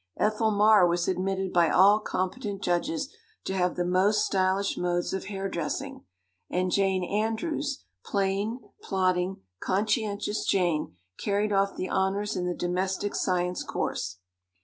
Ethel Marr was admitted by all competent judges to have the most stylish modes of hair dressing, and Jane Andrews plain, plodding, conscientious Jane carried off the honors in the domestic science course.